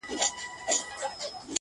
پرون مي دومره درته وژړله-